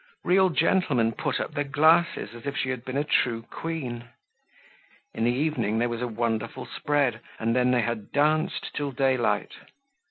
Real gentlemen put up their glasses as if she had been a true queen. In the evening there was a wonderful spread, and then they had danced till daylight.